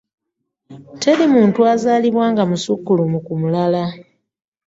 Teri muntu azalibwa nga musukulumu ku mulala.